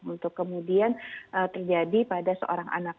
untuk kemudian terjadi pada seorang anak